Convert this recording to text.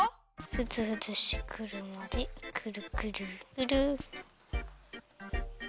ふつふつしてくるまでくるくるくる。